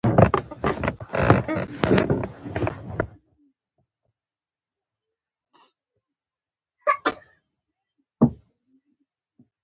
کوچني کاروبارونه د بانکي پورونو له لارې وده کوي.